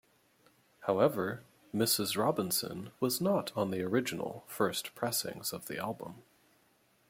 However "Mrs. Robinson" was not on the original, first pressings of the album.